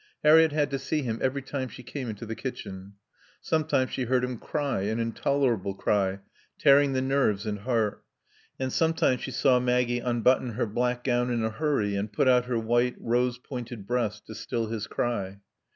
Harriett had to see him every time she came into the kitchen. Sometimes she heard him cry, an intolerable cry, tearing the nerves and heart. And sometimes she saw Maggie unbutton her black gown in a hurry and put out her white, rose pointed breast to still his cry.